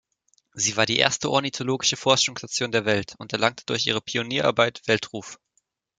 Sie war die erste ornithologische Forschungsstation der Welt und erlangte durch ihre Pionierarbeit Weltruf.